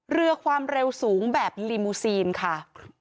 เรือความเร็วสูงแบบลิมูซีนค่ะ